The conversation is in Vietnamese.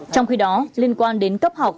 trong khi đó liên quan đến cấp học